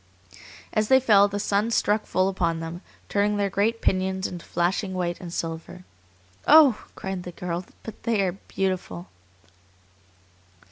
As they fell the sun struck full upon them, turning their great pinions into flashing white and silver. "Oh!" cried the girl, "but they are beautiful!"